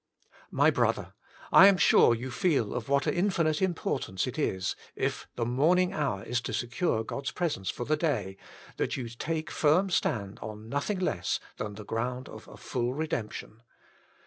My brother, I am sure you feel of what infinite importance it is, if the morning hour is to secure God's presence for the day, that you take firm stand on nothing less than the ground of a full redemption.